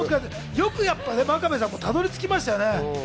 よく真壁さんもたどり着きましたよね。